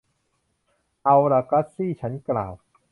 เอาล่ะ กัสซี่ ฉันกล่าว